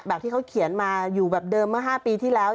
ที่เขาเขียนมาอยู่แบบเดิมเมื่อ๕ปีที่แล้ว